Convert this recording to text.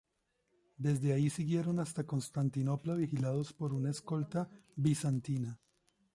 Desde ahí siguieron hasta Constantinopla vigilados por una escolta bizantina.